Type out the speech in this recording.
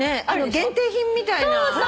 限定品みたいなことを。